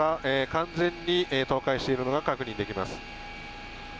完全に倒壊しているのが確認できます。